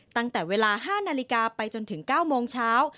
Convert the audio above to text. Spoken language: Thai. ตั้งแต่เวลา๕นาฬิกาไปจนถึง๙โมงเช้า